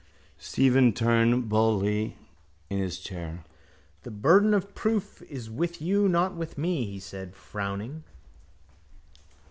Stephen turned boldly in his chair. —The burden of proof is with you not with me, he said frowning.